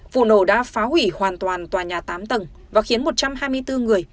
vụ nổ đã phá hủy hoàn toàn tòa nhà tám tầng và khiến một trăm hai mươi bốn người